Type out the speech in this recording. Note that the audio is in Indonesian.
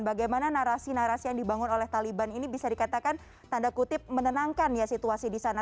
bagaimana narasi narasi yang dibangun oleh taliban ini bisa dikatakan tanda kutip menenangkan ya situasi di sana